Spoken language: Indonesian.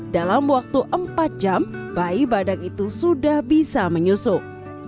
dalam waktu empat jam bayi badak itu sudah bisa menyusup